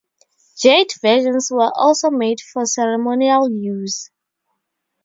Jade versions were also made for ceremonial use.